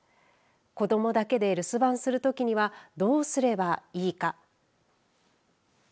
子どもだけで留守番するときにはどうすればいいか。